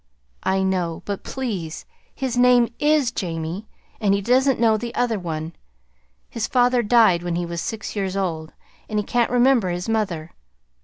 "I know; but, please, his name IS Jamie, and he doesn't know the other one. His father died when he was six years old, and he can't remember his mother.